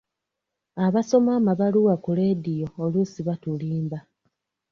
Abasoma amabaluwa ku leediyo oluusi batulimba.